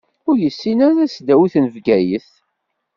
Ur yessin ara tasdawit n Bgayet.